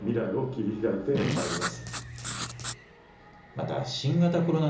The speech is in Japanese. また新型コロナ